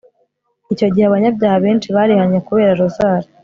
icyo gihe abanyabyaha benshi barihannye kubera rozari